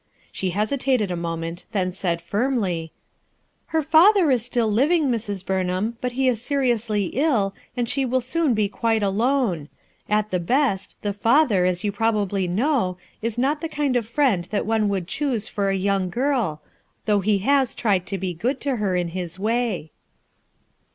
She hesitated a moment, then said firmly :— "Her father is still living, Mrs. Burnham, but he is seriously ill, and she will soon be quite alone At the best, the father, as you prob ably know, is not the kind of friend that one would choose for a young girl, though he has tried to be good to her, in his way."